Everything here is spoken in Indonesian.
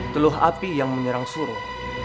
teluh api yang menyerang suruh